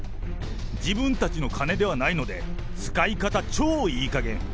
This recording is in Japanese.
自分たちの金ではないので、使い方、超いいかげん。